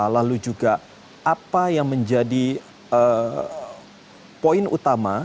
lalu juga apa yang menjadi poin utama